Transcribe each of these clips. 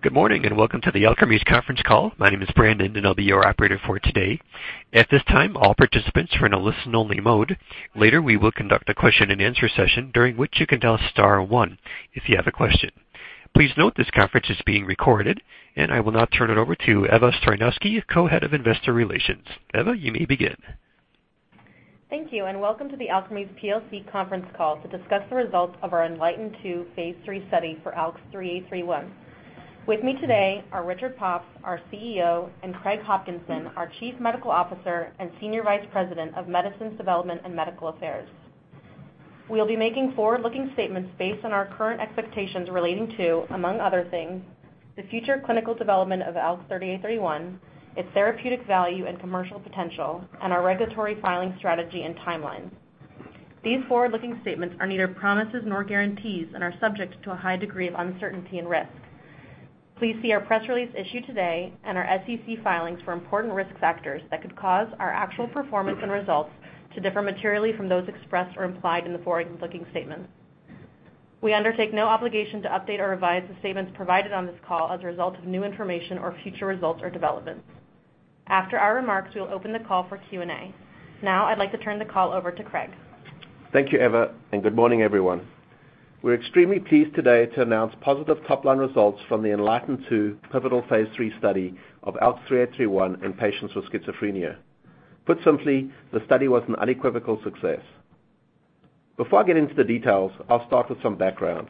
Good morning, welcome to the Alkermes conference call. My name is Brandon, and I will be your operator for today. At this time, all participants are in a listen-only mode. Later, we will conduct a question and answer session during which you can dial star one if you have a question. Please note this conference is being recorded, and I will now turn it over to Eva Stroynowski, Co-Head of Investor Relations. Eva, you may begin. Thank you, welcome to the Alkermes plc conference call to discuss the results of our ENLIGHTEN-2 phase III study for ALKS 3831. With me today are Richard Pops, our CEO, and Craig Hopkinson, our Chief Medical Officer and Senior Vice President of Medicines Development and Medical Affairs. We will be making forward-looking statements based on our current expectations relating to, among other things, the future clinical development of ALKS 3831, its therapeutic value and commercial potential, and our regulatory filing strategy and timelines. These forward-looking statements are neither promises nor guarantees and are subject to a high degree of uncertainty and risk. Please see our press release issued today and our SEC filings for important risk factors that could cause our actual performance and results to differ materially from those expressed or implied in the forward-looking statements. We undertake no obligation to update or revise the statements provided on this call as a result of new information or future results or developments. After our remarks, we will open the call for Q&A. Now, I would like to turn the call over to Craig. Thank you, Eva, good morning, everyone. We are extremely pleased today to announce positive top-line results from the ENLIGHTEN-2 pivotal phase III study of ALKS 3831 in patients with schizophrenia. Put simply, the study was an unequivocal success. Before I get into the details, I will start with some background.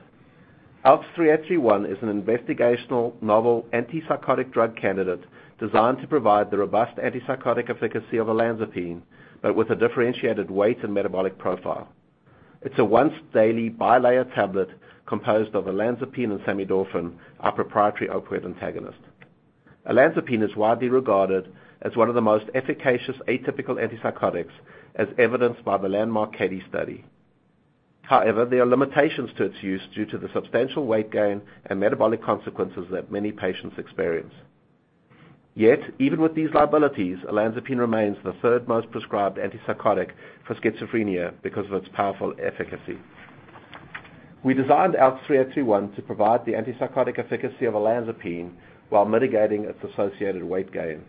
ALKS 3831 is an investigational novel antipsychotic drug candidate designed to provide the robust antipsychotic efficacy of olanzapine, but with a differentiated weight and metabolic profile. It is a once-daily bilayer tablet composed of olanzapine and samidorphan, our proprietary opioid antagonist. Olanzapine is widely regarded as one of the most efficacious atypical antipsychotics, as evidenced by the landmark CATIE study. However, there are limitations to its use due to the substantial weight gain and metabolic consequences that many patients experience. Yet, even with these liabilities, olanzapine remains the third most prescribed antipsychotic for schizophrenia because of its powerful efficacy. We designed ALKS 3831 to provide the antipsychotic efficacy of olanzapine while mitigating its associated weight gain.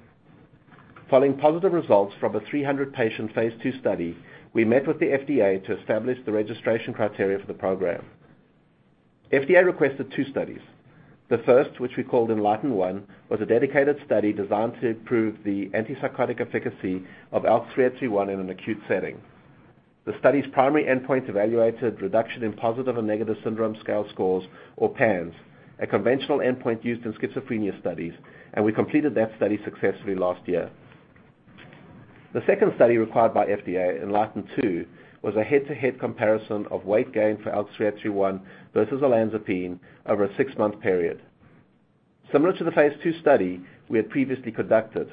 Following positive results from a 300-patient phase II study, we met with the FDA to establish the registration criteria for the program. FDA requested two studies. The first, which we called ENLIGHTEN-1, was a dedicated study designed to prove the antipsychotic efficacy of ALKS 3831 in an acute setting. The study's primary endpoint evaluated reduction in positive and negative syndrome scale scores, or PANSS, a conventional endpoint used in schizophrenia studies, and we completed that study successfully last year. The second study required by FDA, ENLIGHTEN-2, was a head-to-head comparison of weight gain for ALKS 3831 versus olanzapine over a six-month period, similar to the phase II study we had previously conducted.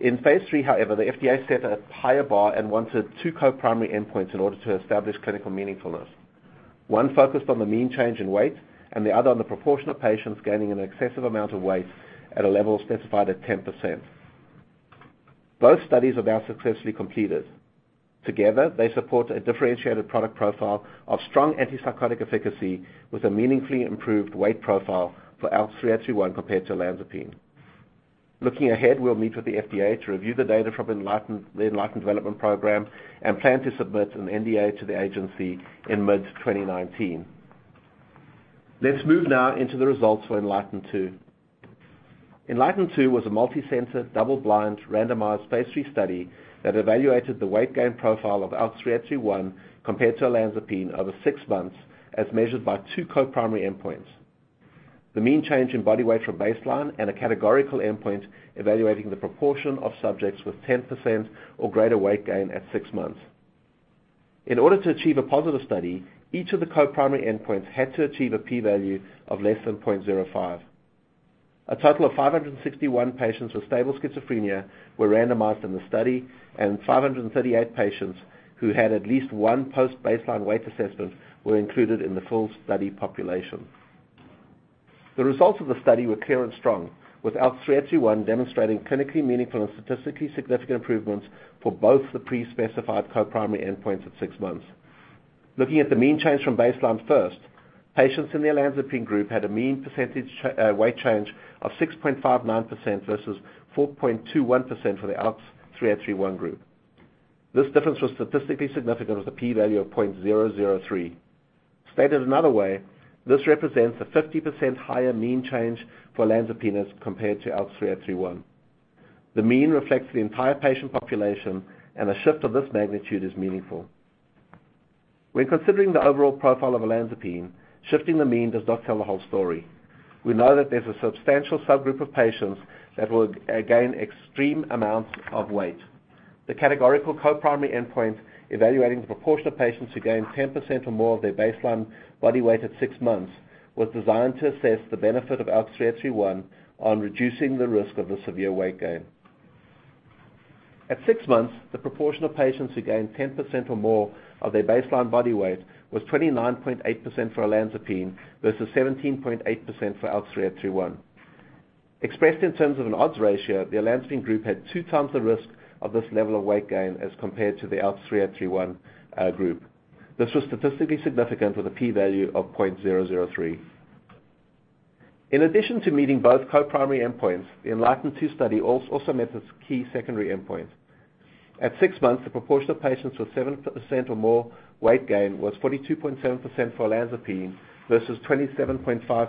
In phase III, the FDA set a higher bar and wanted two co-primary endpoints in order to establish clinical meaningfulness. One focused on the mean change in weight, and the other on the proportion of patients gaining an excessive amount of weight at a level specified at 10%. Both studies are now successfully completed. Together, they support a differentiated product profile of strong antipsychotic efficacy with a meaningfully improved weight profile for ALKS 3831 compared to olanzapine. Looking ahead, we'll meet with the FDA to review the data from the ENLIGHTEN development program and plan to submit an NDA to the agency in mid-2019. Let's move now into the results for ENLIGHTEN-2. ENLIGHTEN-2 was a multi-center, double-blind, randomized phase III study that evaluated the weight gain profile of ALKS 3831 compared to olanzapine over six months as measured by two co-primary endpoints. The mean change in body weight from baseline and a categorical endpoint evaluating the proportion of subjects with 10% or greater weight gain at six months. In order to achieve a positive study, each of the co-primary endpoints had to achieve a P value of less than .05. A total of 561 patients with stable schizophrenia were randomized in the study, and 538 patients who had at least one post-baseline weight assessment were included in the full study population. The results of the study were clear and strong, with ALKS 3831 demonstrating clinically meaningful and statistically significant improvements for both the pre-specified co-primary endpoints at six months. Looking at the mean change from baseline first, patients in the olanzapine group had a mean percentage weight change of 6.59% versus 4.21% for the ALKS 3831 group. This difference was statistically significant with a P value of .003. Stated another way, this represents a 50% higher mean change for olanzapine as compared to ALKS 3831. The mean reflects the entire patient population, and a shift of this magnitude is meaningful. When considering the overall profile of olanzapine, shifting the mean does not tell the whole story. We know that there's a substantial subgroup of patients that will gain extreme amounts of weight. The categorical co-primary endpoint evaluating the proportion of patients who gained 10% or more of their baseline body weight at six months was designed to assess the benefit of ALKS 3831 on reducing the risk of a severe weight gain. At six months, the proportion of patients who gained 10% or more of their baseline body weight was 29.8% for olanzapine versus 17.8% for ALKS 3831. Expressed in terms of an odds ratio, the olanzapine group had two times the risk of this level of weight gain as compared to the ALKS 3831 group. This was statistically significant with a P value of 0.003. In addition to meeting both co-primary endpoints, the ENLIGHTEN-2 study also met its key secondary endpoint. At six months, the proportion of patients with 7% or more weight gain was 42.7% for olanzapine versus 27.5% for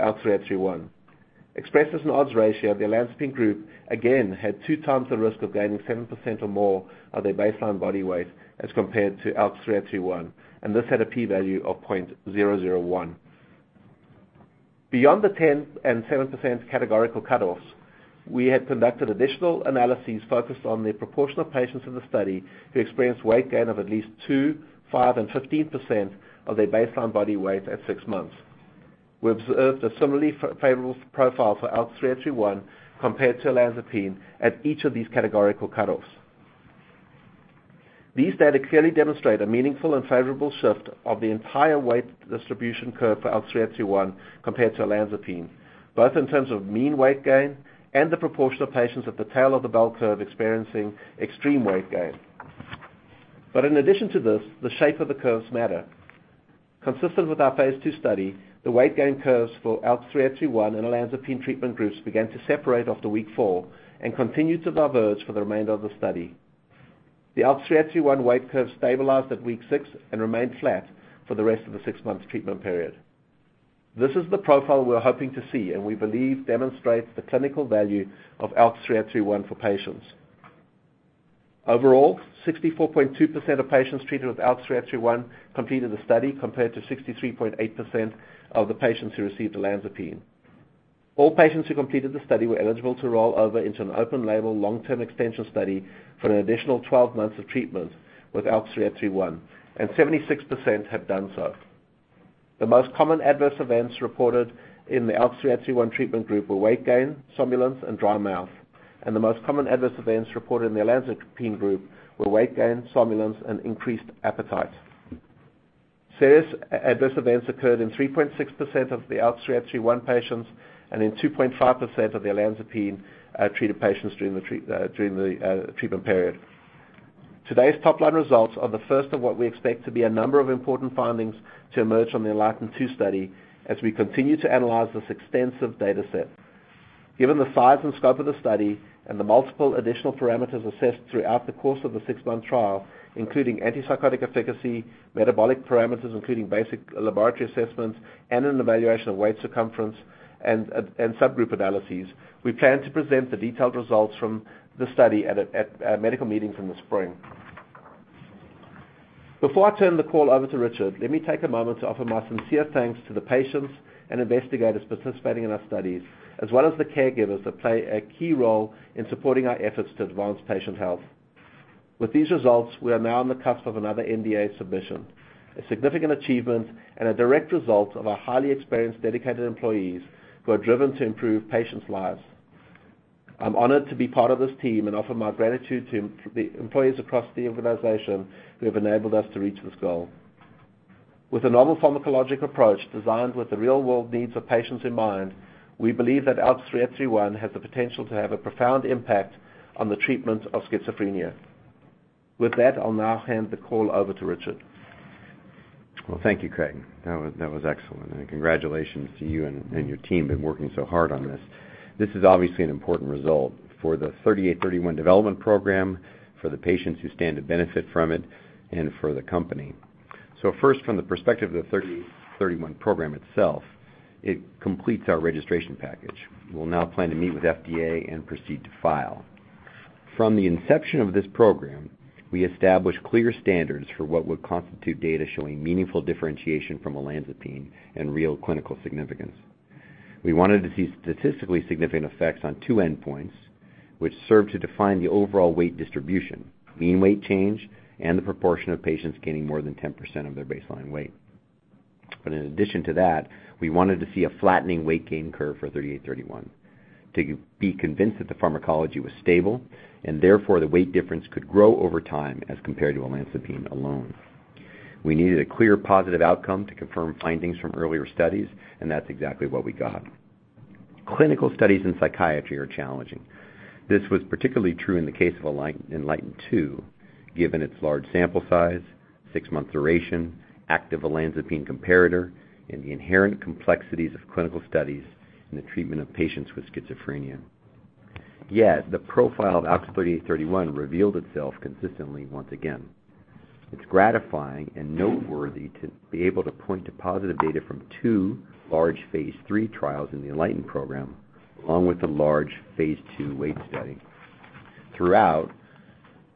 ALKS 3831. Expressed as an odds ratio, the olanzapine group, again, had two times the risk of gaining 7% or more of their baseline body weight as compared to ALKS 3831, and this had a P value of 0.001. Beyond the 10% and 7% categorical cutoffs, we had conducted additional analyses focused on the proportion of patients in the study who experienced weight gain of at least 2%, 5%, and 15% of their baseline body weight at six months. We observed a similarly favorable profile for ALKS 3831 compared to olanzapine at each of these categorical cutoffs. These data clearly demonstrate a meaningful and favorable shift of the entire weight distribution curve for ALKS 3831 compared to olanzapine, both in terms of mean weight gain and the proportion of patients at the tail of the bell curve experiencing extreme weight gain. In addition to this, the shape of the curves matter. Consistent with our phase II study, the weight gain curves for ALKS 3831 and olanzapine treatment groups began to separate after week four and continued to diverge for the remainder of the study. The ALKS 3831 weight curve stabilized at week six and remained flat for the rest of the six-month treatment period. This is the profile we were hoping to see, and we believe demonstrates the clinical value of ALKS 3831 for patients. Overall, 64.2% of patients treated with ALKS 3831 completed the study, compared to 63.8% of the patients who received olanzapine. All patients who completed the study were eligible to roll over into an open label long-term extension study for an additional 12 months of treatment with ALKS 3831, and 76% have done so. The most common adverse events reported in the ALKS 3831 treatment group were weight gain, somnolence, and dry mouth. The most common adverse events reported in the olanzapine group were weight gain, somnolence, and increased appetite. Serious adverse events occurred in 3.6% of the ALKS 3831 patients and in 2.5% of the olanzapine-treated patients during the treatment period. Today's top-line results are the first of what we expect to be a number of important findings to emerge from the ENLIGHTEN-2 study as we continue to analyze this extensive data set. Given the size and scope of the study and the multiple additional parameters assessed throughout the course of the six-month trial, including antipsychotic efficacy, metabolic parameters, including basic laboratory assessments, and an evaluation of weight circumference and subgroup analyses, we plan to present the detailed results from the study at medical meetings in the spring. Before I turn the call over to Richard, let me take a moment to offer my sincere thanks to the patients and investigators participating in our studies, as well as the caregivers that play a key role in supporting our efforts to advance patient health. With these results, we are now on the cusp of another NDA submission, a significant achievement and a direct result of our highly experienced, dedicated employees who are driven to improve patients' lives. I'm honored to be part of this team and offer my gratitude to the employees across the organization who have enabled us to reach this goal. With a novel pharmacologic approach designed with the real-world needs of patients in mind, we believe that ALKS 3831 has the potential to have a profound impact on the treatment of schizophrenia. With that, I'll now hand the call over to Richard. Well, thank you, Craig. That was excellent, and congratulations to you and your team been working so hard on this. This is obviously an important result for the 3831 development program, for the patients who stand to benefit from it, and for the company. First, from the perspective of the 3831 program itself, it completes our registration package. We'll now plan to meet with FDA and proceed to file. From the inception of this program, we established clear standards for what would constitute data showing meaningful differentiation from olanzapine and real clinical significance. We wanted to see statistically significant effects on two endpoints, which served to define the overall weight distribution, mean weight change, and the proportion of patients gaining more than 10% of their baseline weight. In addition to that, we wanted to see a flattening weight gain curve for 3831 to be convinced that the pharmacology was stable and therefore the weight difference could grow over time as compared to olanzapine alone. We needed a clear positive outcome to confirm findings from earlier studies, and that's exactly what we got. Clinical studies in psychiatry are challenging. This was particularly true in the case of ENLIGHTEN-2, given its large sample size, six-month duration, active olanzapine comparator, and the inherent complexities of clinical studies in the treatment of patients with schizophrenia. Yet, the profile of ALKS 3831 revealed itself consistently once again. It's gratifying and noteworthy to be able to point to positive data from two large phase III trials in the ENLIGHTEN program, along with the large phase II weight study. Throughout,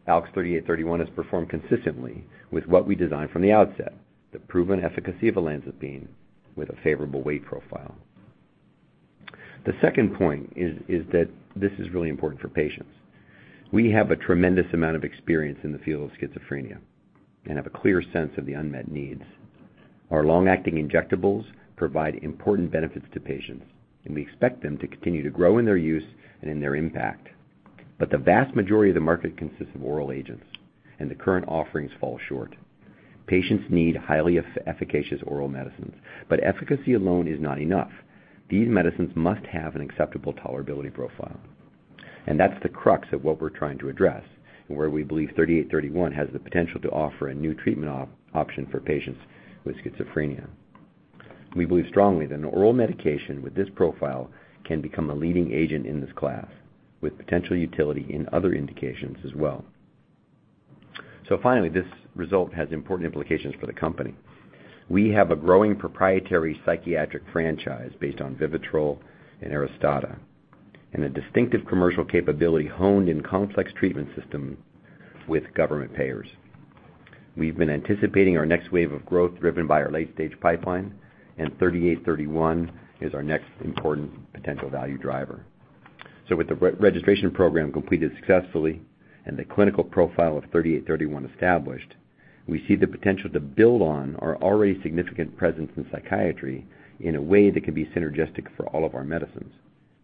ALKS 3831 has performed consistently with what we designed from the outset, the proven efficacy of olanzapine with a favorable weight profile. The second point is that this is really important for patients. We have a tremendous amount of experience in the field of schizophrenia and have a clear sense of the unmet needs. Our long-acting injectables provide important benefits to patients, and we expect them to continue to grow in their use and in their impact. The vast majority of the market consists of oral agents, and the current offerings fall short. Patients need highly efficacious oral medicines, but efficacy alone is not enough. These medicines must have an acceptable tolerability profile. That's the crux of what we're trying to address and where we believe 3831 has the potential to offer a new treatment option for patients with schizophrenia. We believe strongly that an oral medication with this profile can become a leading agent in this class, with potential utility in other indications as well. Finally, this result has important implications for the company. We have a growing proprietary psychiatric franchise based on VIVITROL and ARISTADA, and a distinctive commercial capability honed in complex treatment system with government payers. We've been anticipating our next wave of growth driven by our late-stage pipeline, and 3831 is our next important potential value driver. With the registration program completed successfully and the clinical profile of 3831 established, we see the potential to build on our already significant presence in psychiatry in a way that can be synergistic for all of our medicines.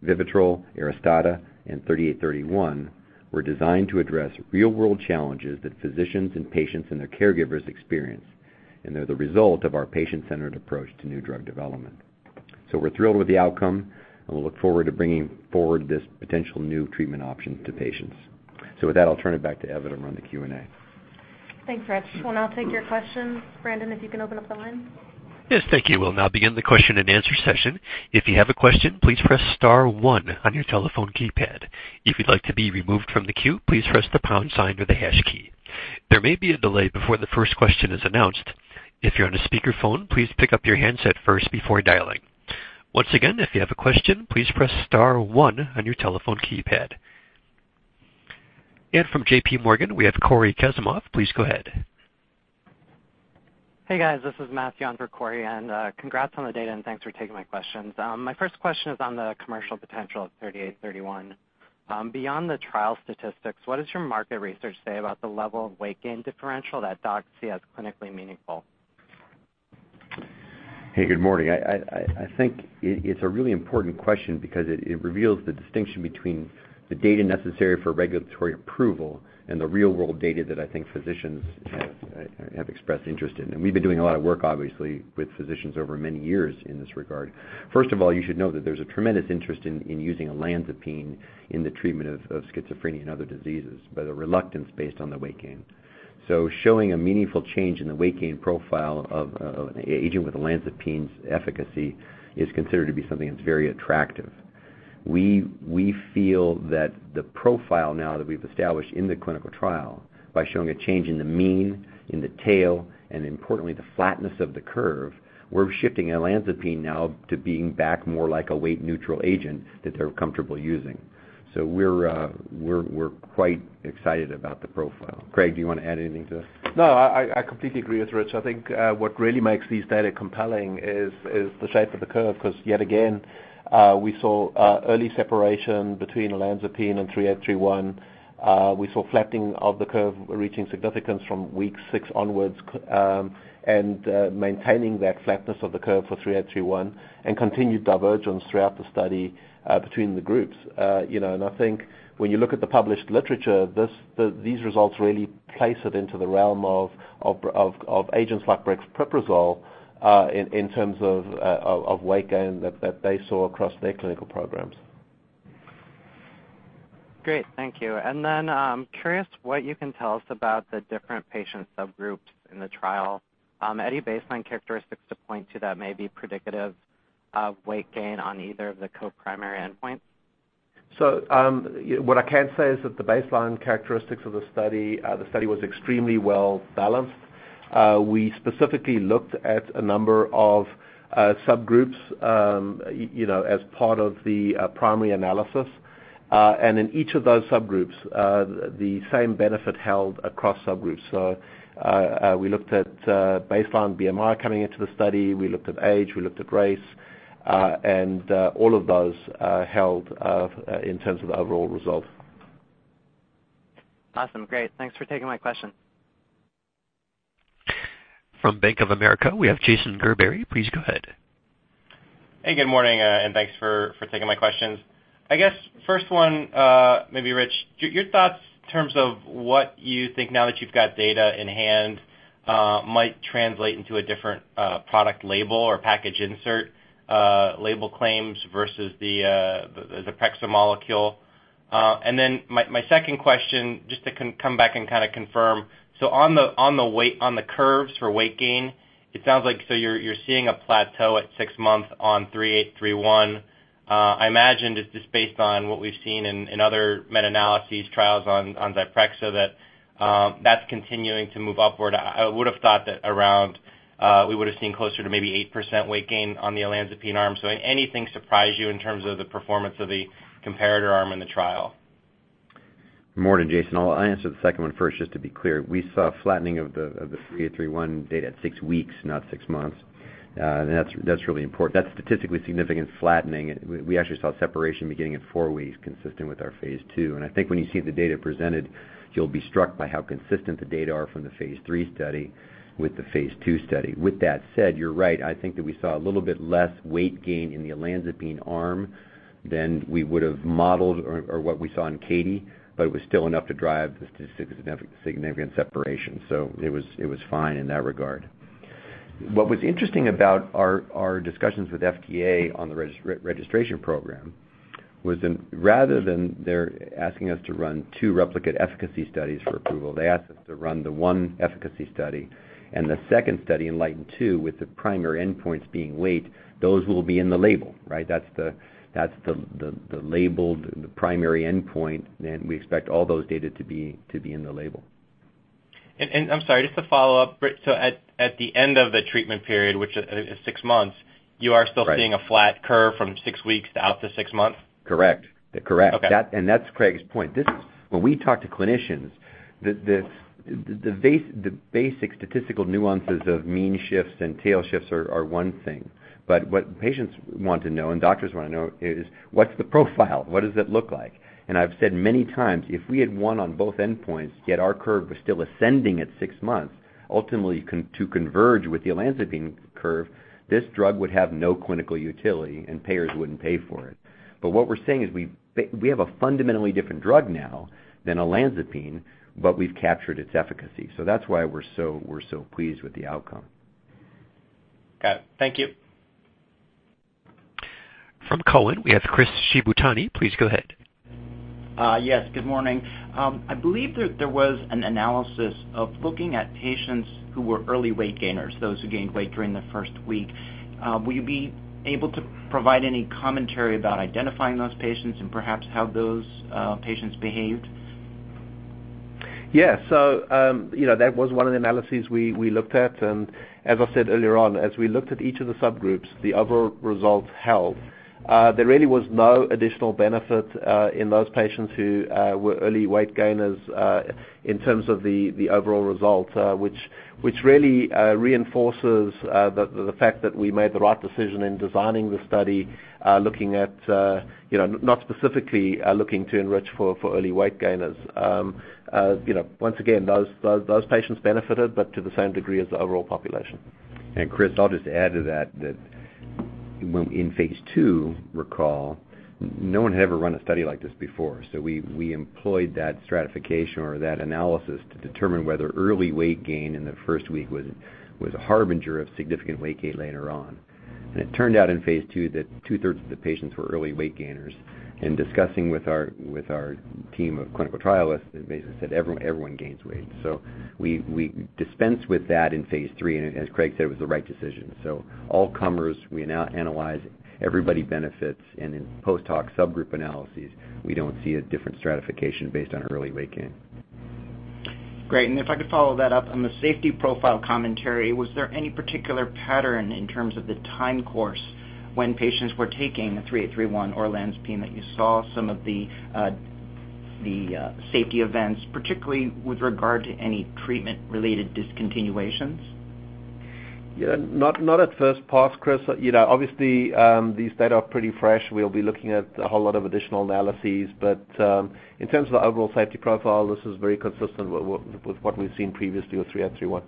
VIVITROL, ARISTADA, and 3831 were designed to address real-world challenges that physicians and patients and their caregivers experience, and they're the result of our patient-centered approach to new drug development. We're thrilled with the outcome, and we look forward to bringing forward this potential new treatment option to patients. With that, I'll turn it back to Eva to run the Q&A. Thanks, Rich. We'll now take your questions. Brandon, if you can open up the line. Yes, thank you. We'll now begin the question and answer session. If you have a question, please press star one on your telephone keypad. If you'd like to be removed from the queue, please press the pound sign or the hash key. There may be a delay before the first question is announced. If you're on a speakerphone, please pick up your handset first before dialing. Once again, if you have a question, please press star one on your telephone keypad. From JPMorgan, we have Cory Kasimov. Please go ahead. Hey, guys. This is Matthew on for Cory and congrats on the data, and thanks for taking my questions. My first question is on the commercial potential of 3831. Beyond the trial statistics, what does your market research say about the level of weight gain differential that docs see as clinically meaningful? Hey, good morning. I think it's a really important question because it reveals the distinction between the data necessary for regulatory approval and the real-world data that I think physicians have expressed interest in. We've been doing a lot of work, obviously, with physicians over many years in this regard. First of all, you should know that there's a tremendous interest in using olanzapine in the treatment of schizophrenia and other diseases, but a reluctance based on the weight gain. Showing a meaningful change in the weight gain profile of an agent with olanzapine's efficacy is considered to be something that's very attractive. We feel that the profile now that we've established in the clinical trial by showing a change in the mean, in the tail, and importantly, the flatness of the curve, we're shifting olanzapine now to being back more like a weight-neutral agent that they're comfortable using. We're quite excited about the profile. Craig, do you want to add anything to that? No, I completely agree with Rich. I think what really makes these data compelling is the shape of the curve, because yet again, we saw early separation between olanzapine and 3831. We saw flattening of the curve reaching significance from week six onwards, and maintaining that flatness of the curve for 3831 and continued divergence throughout the study between the groups. I think when you look at the published literature, these results really place it into the realm of agents like brexpiprazole in terms of weight gain that they saw across their clinical programs. Great. Thank you. I'm curious what you can tell us about the different patient subgroups in the trial. Any baseline characteristics to point to that may be predictive of weight gain on either of the co-primary endpoints? What I can say is that the baseline characteristics of the study, the study was extremely well balanced. We specifically looked at a number of subgroups as part of the primary analysis. In each of those subgroups, the same benefit held across subgroups. We looked at baseline BMI coming into the study. We looked at age, we looked at race, and all of those held in terms of the overall result. Awesome. Great. Thanks for taking my question. From Bank of America, we have Jason Gerberry. Please go ahead. Good morning, and thanks for taking my questions. I guess first one, maybe Rich, your thoughts in terms of what you think now that you have got data in hand might translate into a different product label or package insert label claims versus the Zyprexa molecule. My second question, just to come back and kind of confirm. On the curves for weight gain, it sounds like you are seeing a plateau at six months on ALKS 3831. I imagine just based on what we have seen in other meta-analyses trials on Zyprexa that is continuing to move upward. I would have thought that around we would have seen closer to maybe 8% weight gain on the olanzapine arm. Anything surprise you in terms of the performance of the comparator arm in the trial? Morning, Jason. I will answer the second one first, just to be clear. We saw flattening of the ALKS 3831 data at six weeks, not six months. That is really important. That is statistically significant flattening. We actually saw separation beginning at four weeks, consistent with our phase II. I think when you see the data presented, you will be struck by how consistent the data are from the phase III study with the phase II study. With that said, you are right. I think that we saw a little bit less weight gain in the olanzapine arm than we would have modeled or what we saw in CATIE, but it was still enough to drive the significant separation. It was fine in that regard. What was interesting about our discussions with FDA on the registration program was rather than their asking us to run two replicate efficacy studies for approval, they asked us to run the one efficacy study and the second study, ENLIGHTEN-2, with the primary endpoints being weight. Those will be in the label, right? That is the labeled primary endpoint, and we expect all those data to be in the label. I am sorry, just to follow up. At the end of the treatment period, which is six months. Right You are still seeing a flat curve from six weeks out to six months? Correct. Okay. That's Craig's point. When we talk to clinicians, the basic statistical nuances of mean shifts and tail shifts are one thing, what patients want to know, and doctors want to know is, what's the profile? What does it look like? I've said many times, if we had won on both endpoints, yet our curve was still ascending at six months, ultimately to converge with the olanzapine curve, this drug would have no clinical utility, and payers wouldn't pay for it. What we're saying is we have a fundamentally different drug now than olanzapine, but we've captured its efficacy. That's why we're so pleased with the outcome. Got it. Thank you. From Cowen, we have Chris Shibutani. Please go ahead. Yes, good morning. I believe that there was an analysis of looking at patients who were early weight gainers, those who gained weight during the first week. Will you be able to provide any commentary about identifying those patients and perhaps how those patients behaved? Yes. that was one of the analyses we looked at. as I said earlier on, as we looked at each of the subgroups, the overall results held. There really was no additional benefit in those patients who were early weight gainers in terms of the overall result, which really reinforces the fact that we made the right decision in designing the study, not specifically looking to enrich for early weight gainers. Once again, those patients benefited, but to the same degree as the overall population. Chris, I'll just add to that in phase II, recall, no one had ever run a study like this before. we employed that stratification or that analysis to determine whether early weight gain in the first week was a harbinger of significant weight gain later on. it turned out in phase II that two-thirds of the patients were early weight gainers. discussing with our team of clinical trialists, they basically said everyone gains weight. we dispensed with that in phase III, and as Craig said, it was the right decision. all comers, we now analyze everybody benefits. in post-hoc subgroup analyses, we don't see a different stratification based on early weight gain. Great. if I could follow that up on the safety profile commentary, was there any particular pattern in terms of the time course when patients were taking 3831 or olanzapine that you saw some of the safety events, particularly with regard to any treatment-related discontinuations? Not at first pass, Chris. These data are pretty fresh. We'll be looking at a whole lot of additional analyses. In terms of the overall safety profile, this is very consistent with what we've seen previously with 3831.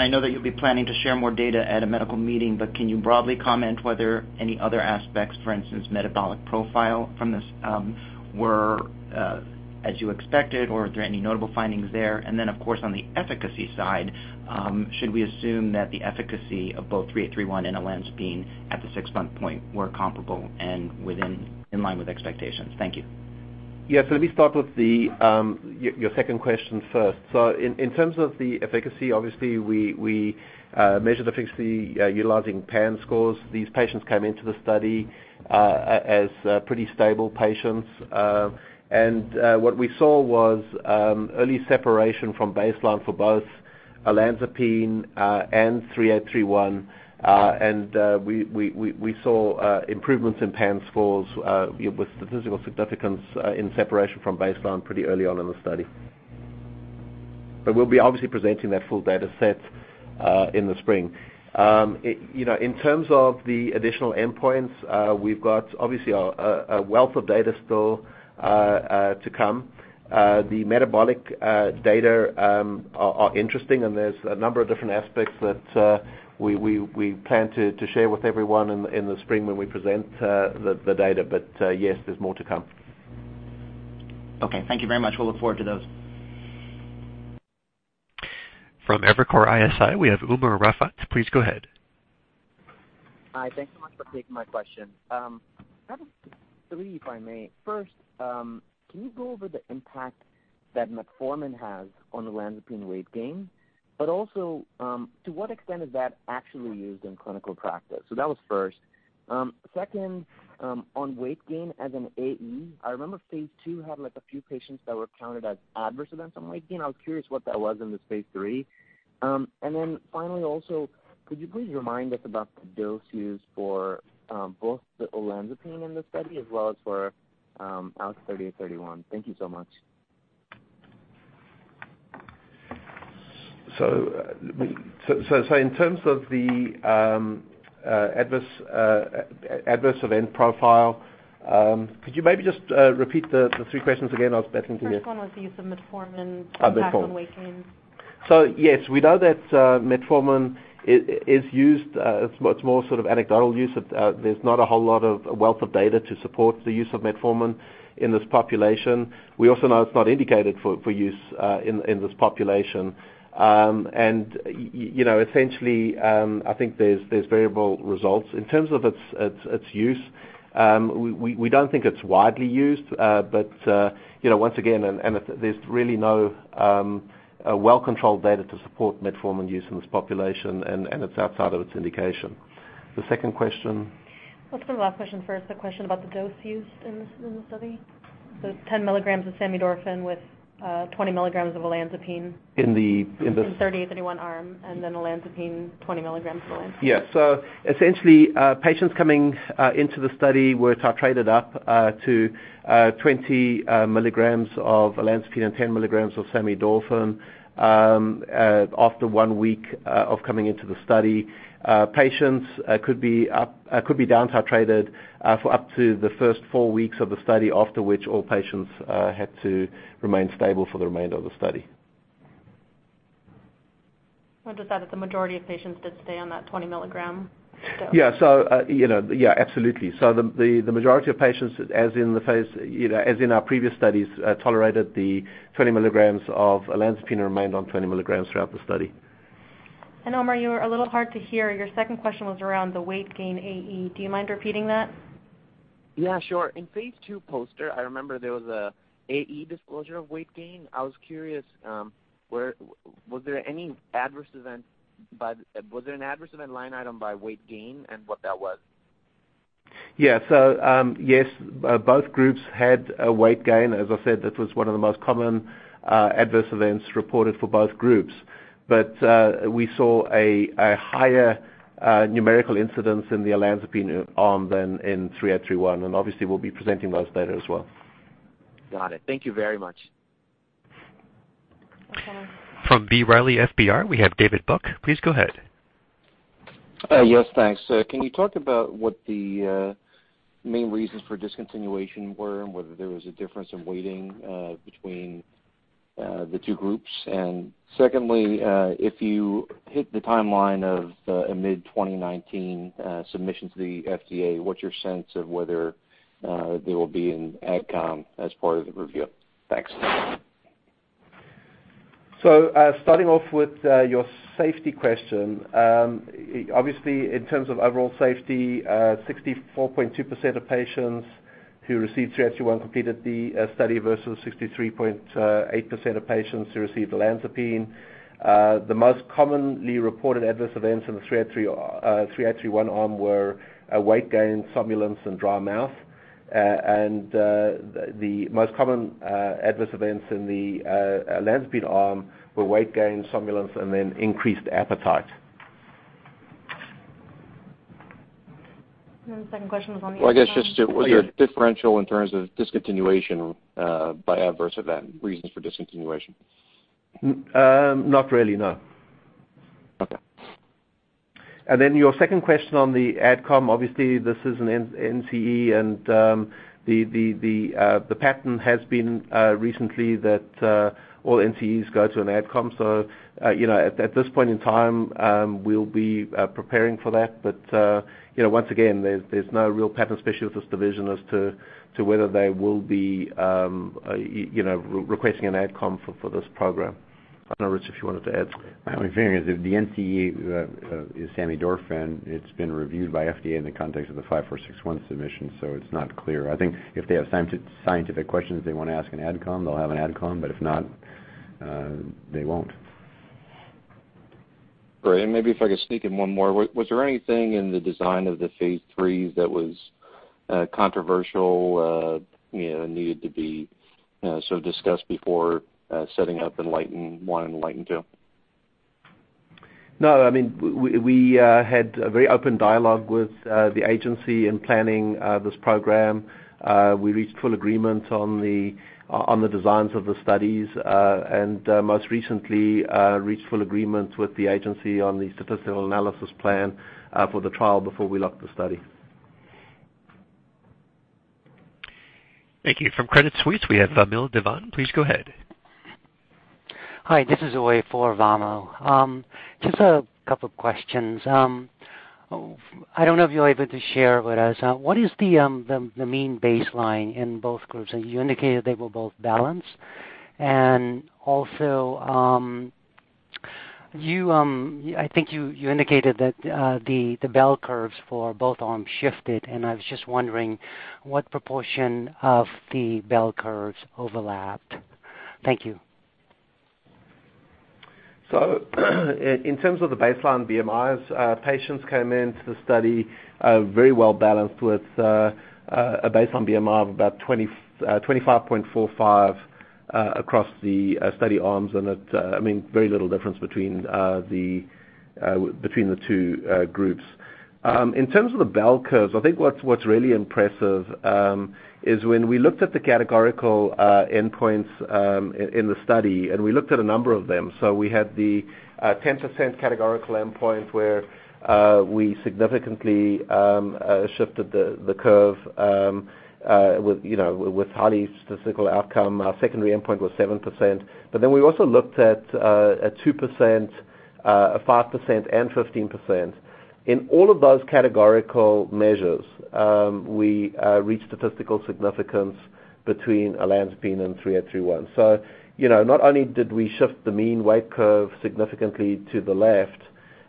I know that you'll be planning to share more data at a medical meeting, but can you broadly comment whether any other aspects, for instance, metabolic profile from this, were as you expected, or are there any notable findings there? Then, of course, on the efficacy side, should we assume that the efficacy of both 3831 and olanzapine at the six-month point were comparable and in line with expectations? Thank you. Yeah. Let me start with your second question first. In terms of the efficacy, obviously, we measured efficacy utilizing PANSS scores. These patients came into the study as pretty stable patients. What we saw was early separation from baseline for both olanzapine and 3831. We saw improvements in PANSS scores with statistical significance in separation from baseline pretty early on in the study. We'll be obviously presenting that full data set in the spring. In terms of the additional endpoints, we've got obviously a wealth of data still to come. The metabolic data are interesting, and there's a number of different aspects that we plan to share with everyone in the spring when we present the data. Yes, there's more to come. Okay. Thank you very much. We'll look forward to those. From Evercore ISI, we have Umer Raffat. Please go ahead. Hi. Thanks so much for taking my question. I have three, if I may. First, can you go over the impact that metformin has on olanzapine weight gain? Also, to what extent is that actually used in clinical practice? That was first. Second, on weight gain as an AE, I remember phase II had a few patients that were counted as adverse events on weight gain. I was curious what that was in this phase III. Finally, also, could you please remind us about the dose used for both the olanzapine in the study as well as for ALKS 3831? Thank you so much. In terms of the adverse event profile, could you maybe just repeat the three questions again? First one was the use of metformin- Metformin impact on weight gain. Yes, we know that metformin. It's more sort of anecdotal use. There's not a whole lot of wealth of data to support the use of metformin in this population. We also know it's not indicated for use in this population. Essentially, I think there's variable results. In terms of its use, we don't think it's widely used. Once again, there's really no well-controlled data to support metformin use in this population, and it's outside of its indication. The second question? Let's go to the last question first, the question about the dose used in the study. 10 mg of samidorphan with 20 mg of olanzapine. In the- In ALKS 3831 arm, and then olanzapine 20 mg. Yeah. Essentially, patients coming into the study were titrated up to 20 mg of olanzapine and 10 mg of samidorphan. After one week of coming into the study, patients could be down-titrated for up to the first four weeks of the study, after which all patients had to remain stable for the remainder of the study. What was that? The majority of patients did stay on that 20 mg dose. Yeah. Absolutely. The majority of patients as in our previous studies tolerated the 20 mg of olanzapine and remained on 20 mg throughout the study. Umer, you were a little hard to hear. Your second question was around the weight gain AE. Do you mind repeating that? Sure. In phase II poster, I remember there was an AE disclosure of weight gain. I was curious, was there an adverse event line item by weight gain and what that was? Yes, both groups had a weight gain. As I said, that was one of the most common adverse events reported for both groups. We saw a higher numerical incidence in the olanzapine arm than in 3831, obviously, we'll be presenting those data as well. Got it. Thank you very much. Okay. From B. Riley FBR, we have David Buck. Please go ahead. Yes, thanks. Can you talk about what the main reasons for discontinuation were and whether there was a difference in weighting between the two groups? Secondly, if you hit the timeline of a mid-2019 submission to the FDA, what's your sense of whether they will be in AdCom as part of the review? Thanks. Starting off with your safety question. Obviously, in terms of overall safety, 64.2% of patients who received 3831 completed the study versus 63.8% of patients who received olanzapine. The most commonly reported adverse events in the 3831 arm were weight gain, somnolence, and dry mouth. The most common adverse events in the olanzapine arm were weight gain, somnolence, and then increased appetite. The second question was on. Well, I guess just was there a differential in terms of discontinuation by adverse event, reasons for discontinuation? Not really, no. Okay. Your second question on the AdCom, obviously this is an NCE, the pattern has been recently that all NCEs go to an AdCom. At this point in time, we'll be preparing for that. Once again, there's no real pattern, especially with this division as to whether they will be requesting an AdCom for this program. I don't know, Rich, if you wanted to add. My only thing is if the NCE is samidorphan, it's been reviewed by FDA in the context of the 5461 submission, it's not clear. I think if they have scientific questions they want to ask in AdCom, they'll have an AdCom, if not, they won't. Great. Maybe if I could sneak in one more. Was there anything in the design of the phase IIIs that was controversial, needed to be sort of discussed before setting up ENLIGHTEN-1 and ENLIGHTEN-2? No. We had a very open dialogue with the agency in planning this program. We reached full agreement on the designs of the studies. Most recently, reached full agreement with the agency on the statistical analysis plan for the trial before we locked the study. Thank you. From Credit Suisse, we have Vamil Divan. Please go ahead. Hi, this is Uy Ear for Vamil. Just a couple of questions. I don't know if you're able to share with us, what is the mean baseline in both groups? You indicated they were both balanced. Also, I think you indicated that the bell curves for both arms shifted, and I was just wondering what proportion of the bell curves overlapped. Thank you. In terms of the baseline BMIs, patients came into the study very well-balanced with a baseline BMI of about 25.45 across the study arms, and very little difference between the two groups. In terms of the bell curves, I think what's really impressive is when we looked at the categorical endpoints in the study, and we looked at a number of them. We had the 10% categorical endpoint where we significantly shifted the curve with highly statistical outcome. Our secondary endpoint was 7%. We also looked at a 2%, 5% and 15%. In all of those categorical measures, we reached statistical significance between olanzapine and 3831. Not only did we shift the mean weight curve significantly to the left,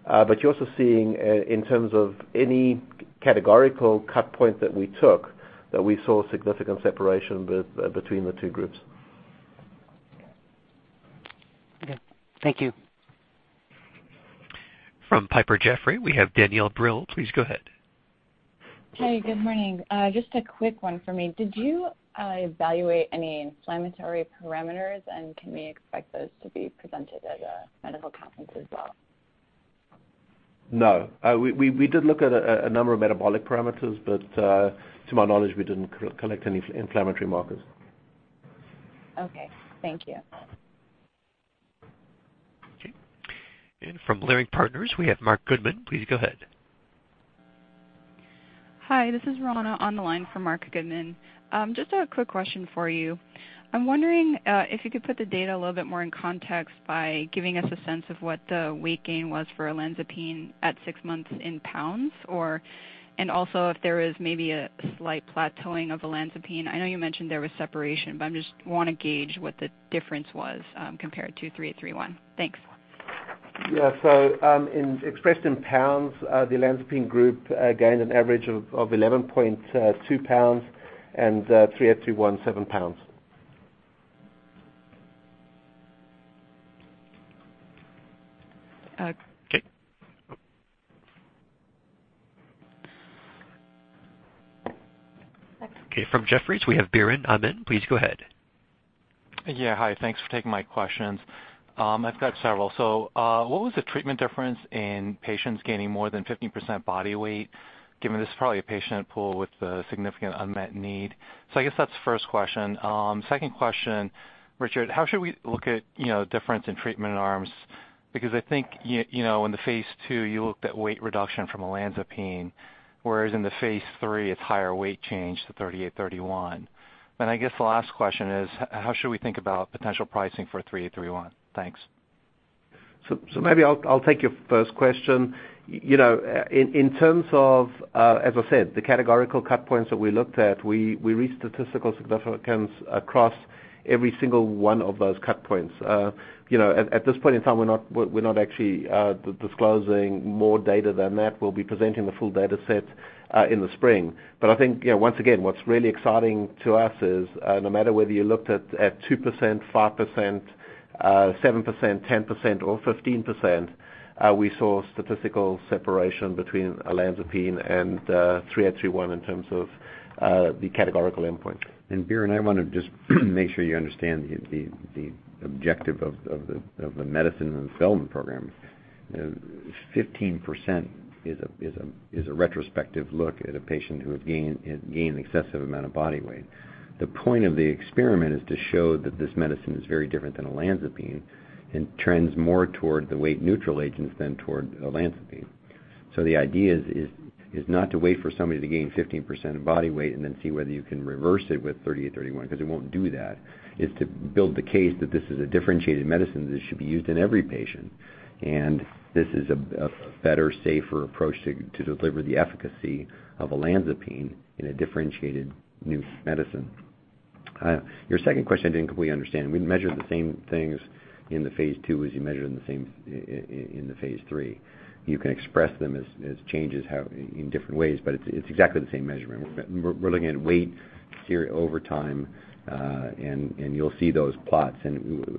but you're also seeing in terms of any categorical cut point that we took, that we saw significant separation between the two groups. Okay. Thank you. From Piper Jaffray, we have Danielle Brill. Please go ahead. Hey, good morning. Just a quick one for me. Did you evaluate any inflammatory parameters, and can we expect those to be presented at a medical conference as well? No. We did look at a number of metabolic parameters, but, to my knowledge, we didn't collect any inflammatory markers. Okay. Thank you. Okay. From Leerink Partners, we have Marc Goodman. Please go ahead. Hi, this is Roanna on the line for Marc Goodman. Just a quick question for you. I'm wondering if you could put the data a little bit more in context by giving us a sense of what the weight gain was for olanzapine at six months in pounds, and also if there is maybe a slight plateauing of olanzapine. I know you mentioned there was separation, but I just want to gauge what the difference was compared to 3831. Thanks. Yeah. Expressed in pounds, the olanzapine group gained an average of 11.2 pounds and 3831, seven pounds. Okay. Okay. From Jefferies, we have Biren Amin. Please go ahead. Yeah. Hi, thanks for taking my questions. I've got several. What was the treatment difference in patients gaining more than 15% body weight, given this is probably a patient pool with a significant unmet need? I guess that's the first question. Second question, Richard, how should we look at difference in treatment arms? Because I think, in the phase II, you looked at weight reduction from olanzapine, whereas in the phase III, it's higher weight change to 3831. I guess the last question is how should we think about potential pricing for 3831? Thanks. Maybe I'll take your first question. In terms of, as I said, the categorical cut points that we looked at, we reached statistical significance across every single one of those cut points. At this point in time, we're not actually disclosing more data than that. We'll be presenting the full data set in the spring. I think, once again, what's really exciting to us is, no matter whether you looked at 2%, 5%, 7%, 10% or 15%, we saw statistical separation between olanzapine and 3831 in terms of the categorical endpoint. Biren, I want to just make sure you understand the objective of the medicine and development program. 15% is a retrospective look at a patient who has gained excessive amount of body weight. The point of the experiment is to show that this medicine is very different than olanzapine and trends more toward the weight-neutral agents than toward olanzapine. The idea is not to wait for somebody to gain 15% of body weight and then see whether you can reverse it with 3831, because it won't do that. It's to build the case that this is a differentiated medicine that should be used in every patient. This is a better, safer approach to deliver the efficacy of olanzapine in a differentiated new medicine. Your second question, I didn't completely understand. We measured the same things in the phase II as you measured in the phase III. You can express them as changes in different ways, but it's exactly the same measurement. We're looking at weight over time, and you'll see those plots.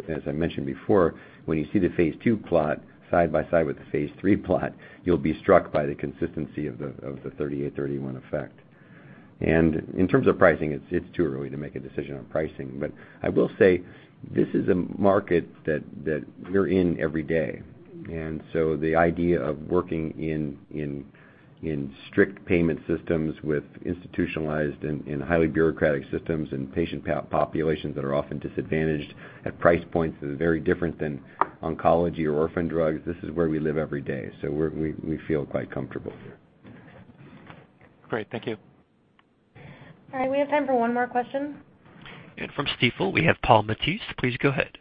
As I mentioned before, when you see the phase II plot side by side with the phase III plot, you'll be struck by the consistency of the ALKS 3831 effect. In terms of pricing, it's too early to make a decision on pricing. I will say this is a market that we're in every day. The idea of working in strict payment systems with institutionalized and highly bureaucratic systems and patient populations that are often disadvantaged at price points that are very different than oncology or orphan drugs, this is where we live every day. We feel quite comfortable here. Great. Thank you. All right. We have time for one more question. From Stifel, we have Paul Matteis. Please go ahead.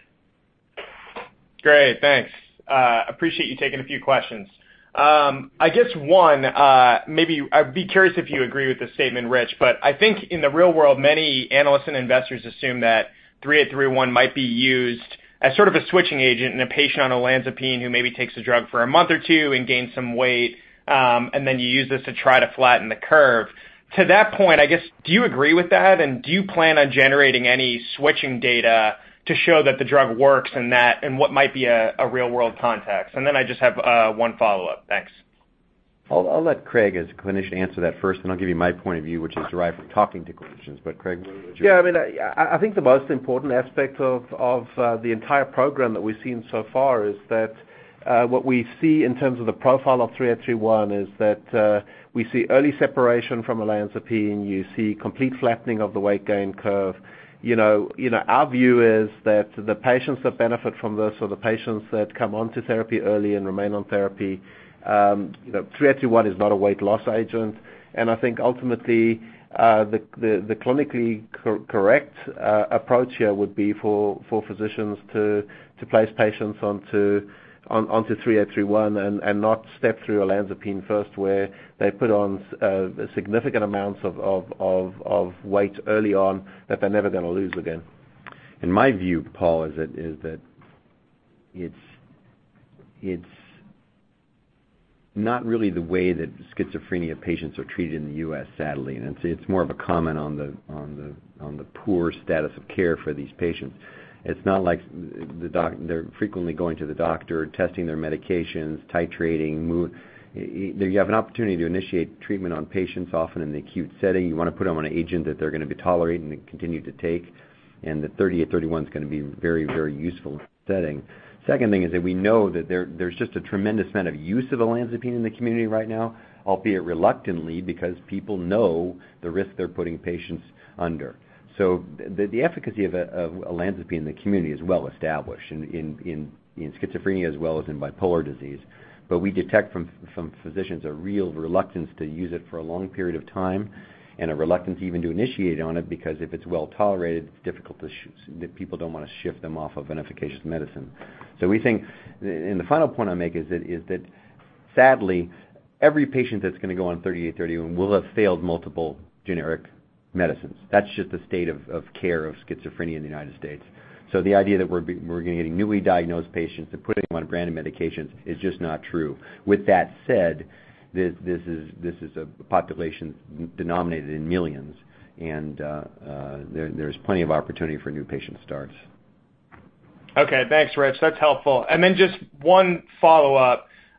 Great. Thanks. Appreciate you taking a few questions. I guess one, I'd be curious if you agree with this statement, Rich, I think in the real world, many analysts and investors assume that ALKS 3831 might be used as sort of a switching agent in a patient on olanzapine who maybe takes a drug for a month or two and gains some weight, then you use this to try to flatten the curve. To that point, I guess, do you agree with that, and do you plan on generating any switching data to show that the drug works and what might be a real-world context? Then I just have one follow-up. Thanks. I'll let Craig as a clinician answer that first, I'll give you my point of view, which is derived from talking to clinicians. Craig. I think the most important aspect of the entire program that we've seen so far is that what we see in terms of the profile of ALKS 3831 is that we see early separation from olanzapine. You see complete flattening of the weight gain curve. Our view is that the patients that benefit from this are the patients that come onto therapy early and remain on therapy. ALKS 3831 is not a weight loss agent, I think ultimately, the clinically correct approach here would be for physicians to place patients onto ALKS 3831 and not step through olanzapine first, where they put on significant amounts of weight early on that they're never going to lose again. My view, Paul, is that it's not really the way that schizophrenia patients are treated in the U.S., sadly. It's more of a comment on the poor status of care for these patients. It's not like they're frequently going to the doctor, testing their medications, titrating mood. You have an opportunity to initiate treatment on patients, often in the acute setting. You want to put them on an agent that they're going to be tolerant and continue to take. The ALKS 3831's going to be very useful in that setting. Second thing is that we know that there's just a tremendous amount of use of olanzapine in the community right now, albeit reluctantly, because people know the risk they're putting patients under. The efficacy of olanzapine in the community is well established in schizophrenia as well as in bipolar disease. We detect from physicians a real reluctance to use it for a long period of time and a reluctance even to initiate on it, because if it's well tolerated, it's difficult to shift. People don't want to shift them off of an efficacious medicine. The final point I'll make is that sadly, every patient that's going to go on ALKS 3831 will have failed multiple generic medicines. That's just the state of care of schizophrenia in the United States. The idea that we're going to be getting newly diagnosed patients and putting them on a brand new medication is just not true. With that said, this is a population denominated in millions, and there's plenty of opportunity for new patient starts. Okay, thanks, Rich. That's helpful. Just one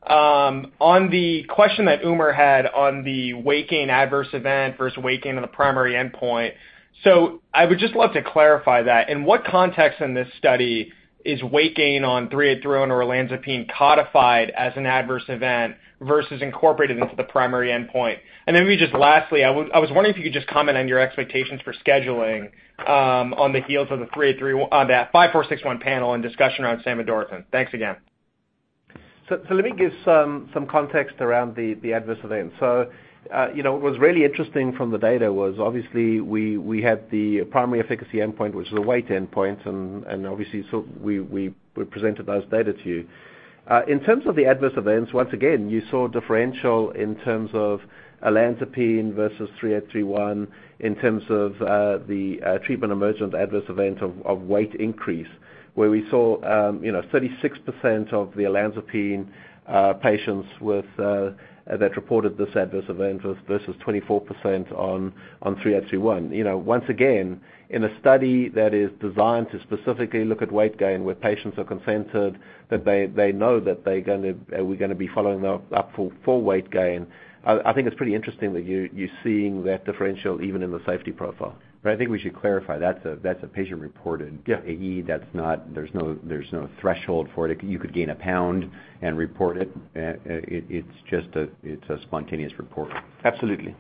follow-up. On the question that Umer had on the weight gain adverse event versus weight gain on the primary endpoint. I would just love to clarify that. In what context in this study is weight gain on 3831 or olanzapine codified as an adverse event versus incorporated into the primary endpoint? Maybe just lastly, I was wondering if you could just comment on your expectations for scheduling on the heels of the 5461 panel and discussion around samidorphan. Thanks again. Let me give some context around the adverse event. What was really interesting from the data was obviously we had the primary efficacy endpoint, which is a weight endpoint, and obviously, we presented those data to you. In terms of the adverse events, once again, you saw a differential in terms of olanzapine versus 3831 in terms of the treatment emergent adverse event of weight increase, where we saw 36% of the olanzapine patients that reported this adverse event versus 24% on 3831. Once again, in a study that is designed to specifically look at weight gain where patients are consented, that they know that we're going to be following up for full weight gain. I think it's pretty interesting that you're seeing that differential even in the safety profile. I think we should clarify, that's a patient-reported. Yeah AE. There's no threshold for it. You could gain a pound and report it. It's a spontaneous report. Absolutely.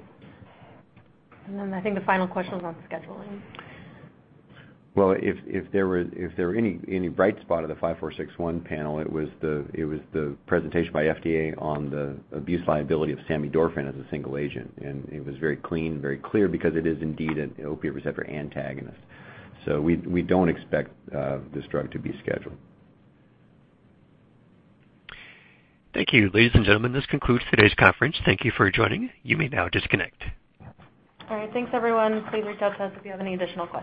I think the final question was on scheduling. Well, if there were any bright spot of the 5461 panel, it was the presentation by FDA on the abuse liability of samidorphan as a single agent. It was very clean, very clear, because it is indeed an opioid receptor antagonist. We don't expect this drug to be scheduled. Thank you, ladies and gentlemen. This concludes today's conference. Thank you for joining. You may now disconnect. All right. Thanks, everyone. Please reach out to us if you have any additional questions.